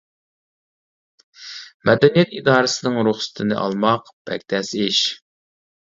مەدەنىيەت ئىدارىسىنىڭ رۇخسىتىنى ئالماق بەك تەس ئىش.